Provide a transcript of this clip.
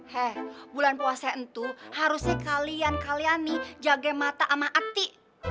he bulan puase itu harusnya kalian kalian nih jaga mata sama hati